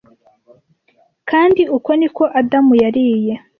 kandi uko niko adamu yariye